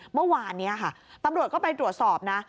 เมื่อวานนี้ค่ะตำรวจก็ไปตรวจสอบนะ